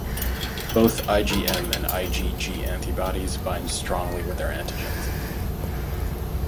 Both IgM and IgG antibodies bind strongly with their antigens.